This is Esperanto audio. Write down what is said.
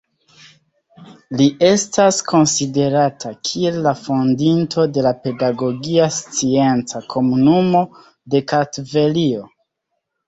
Li estas konsiderata kiel la fondinto de la Pedagogia Scienca Komunumo de Kartvelio.